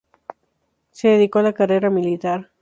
Se dedicó a la carrera militar.